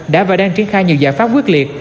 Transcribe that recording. đã và đang triển khai nhiều giải pháp quyết liệt